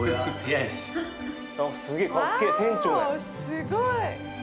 すごい！